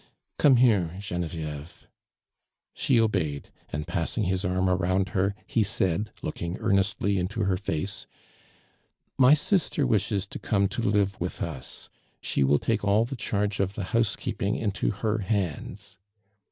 "Come here, Genevieve." She obeyed, and passing his arm around her, he said, looking earnestly into her face : My sister wishes to come to live with us ; she will take all the charge of the house keeping into her hands."